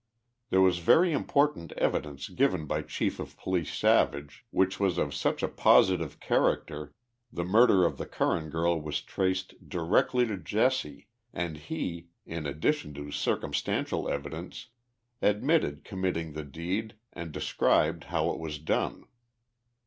There was very important evidence given by Chief of Police Savage, which was of such a positive character the murder of the Curran girl was traced directly to Jesse, and he, in addition to circumstantial evidence, admitted committing the deed and de scribed how it was done.